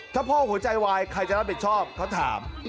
ถ้าพ่อหัวใจวายใครจะรับผิดชอบเขาถาม